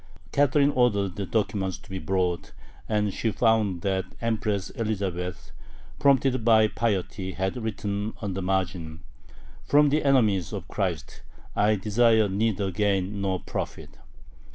Catherine ordered the documents to be brought, and she found that Empress Elizabeth, prompted by piety, had written on the margin, "From the enemies of Christ I desire neither gain nor profit."